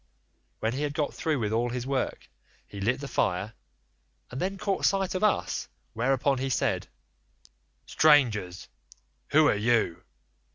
When he had got through with all his work, he lit the fire, and then caught sight of us, whereon he said: "'Strangers, who are you?